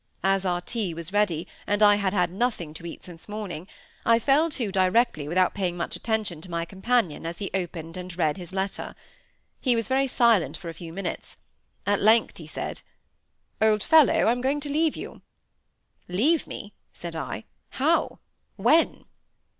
As our tea was ready, and I had had nothing to eat since morning, I fell to directly without paying much attention to my companion as he opened and read his letter. He was very silent for a few minutes; at length he said, "Old fellow! I'm going to leave you!" "Leave me!" said I. "How? When?"